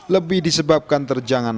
lebih disebabkan dari penyelenggaraan